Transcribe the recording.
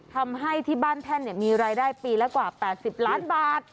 ทำให้ที่บ้านแท่นมีรายได้ปีละกว่า๘๐ล้านบาท